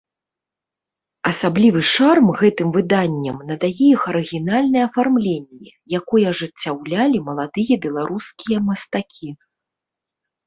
Асаблівы шарм гэтым выданням надае іх арыгінальнае афармленне, якое ажыццяўлялі маладыя беларускія мастакі.